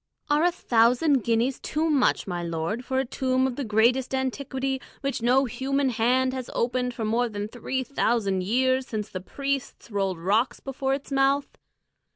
"Are a thousand guineas too much, my lord, for a tomb of the greatest antiquity, which no human hand has opened for more than three thousand years, since the priests rolled rocks before its mouth?